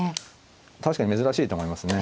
確かに珍しいと思いますね。